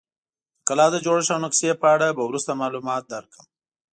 د کلا د جوړښت او نقشې په اړه به وروسته معلومات درکړم.